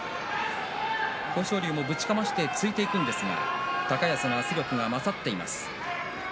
豊昇龍もぶちかましてついていくんですが高安が圧力勝っています。